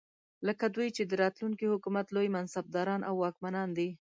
لکه دوی چې د راتلونکي حکومت لوی منصبداران او واکمنان وي.